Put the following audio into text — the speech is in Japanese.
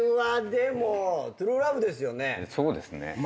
そうですね。